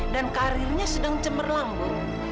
dan karirnya sedang cemerlang bu